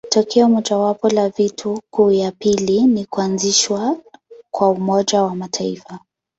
Tokeo mojawapo la vita kuu ya pili ni kuanzishwa kwa Umoja wa Mataifa.